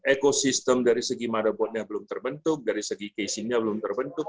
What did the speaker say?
ekosistem dari segi motherboardnya belum terbentuk dari segi casingnya belum terbentuk